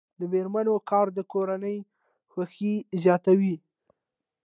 د میرمنو کار د کورنۍ خوښۍ زیاتوي.